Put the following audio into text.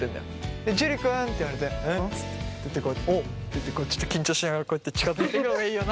で「樹君」って言われて「ん？」っつってこう「おう」って言ってこうちょっと緊張しながらこうやって近づいていくのがいいよな。